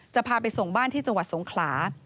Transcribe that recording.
จะพาไปส่งบ้านที่จังหวัดสงขลา